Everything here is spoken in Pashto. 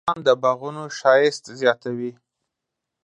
ګلان د باغونو ښایست زیاتوي.